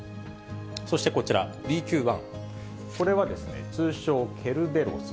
そしてこちら、ＢＱ．１、これは通称、ケルベロス。